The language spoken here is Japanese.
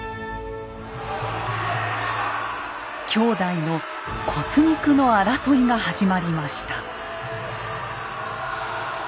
兄弟の骨肉の争いが始まりました。